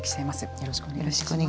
よろしくお願いします。